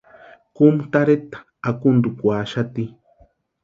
Kúmu tarheta akuntukwaaxati.